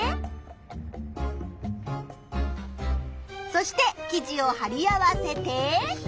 そして記事をはり合わせて。